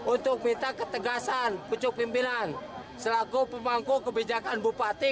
untuk minta ketegasan pucuk pimpinan selaku pemangku kebijakan bupati